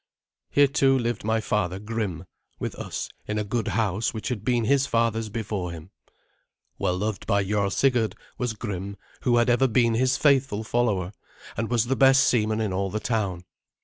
Here, too, lived my father, Grim, with us in a good house which had been his father's before him. Well loved by Jarl Sigurd was Grim, who had ever been his faithful follower, and was the best seaman in all the town.